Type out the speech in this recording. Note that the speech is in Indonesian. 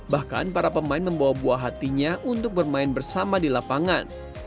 bahkan para pemain membawa buah hatinya untuk bermain bersama di lapangan